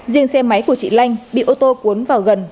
riêng xe máy của chị lanh bị ô tô cuốn vào gần